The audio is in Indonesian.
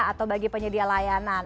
atau bagi penyedia layanan